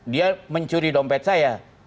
dia mencuri dompet saya